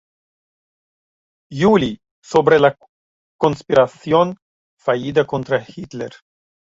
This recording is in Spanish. Juli", sobre la conspiración fallida contra Hitler.